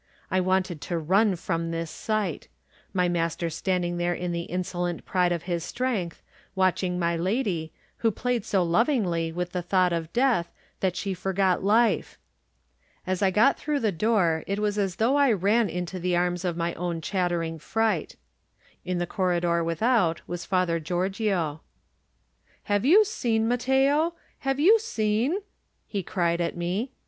I wanted to nm from this sight: my master standing there in the insolent pride of his strength, watching my lady, who played so lovingly with the thought of death that she forgot life. As I got through the door it was as though I ran into the arms of my own chattering fright. In the corridor without was Father Giorgio. "Have you seen, Matteo? Have you seen?" he cried at me.